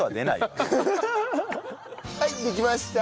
はいできました！